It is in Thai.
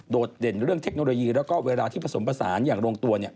ดเด่นเรื่องเทคโนโลยีแล้วก็เวลาที่ผสมผสานอย่างลงตัว